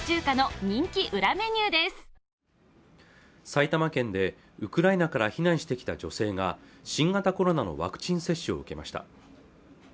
埼玉県でウクライナから避難してきた女性が新型コロナのワクチン接種を受けました